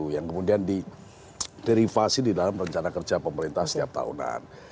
yang kemudian di derivasi di dalam rencana kerja pemerintah setiap tahunan